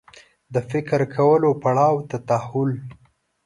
د فکر کولو پړاو ته تحول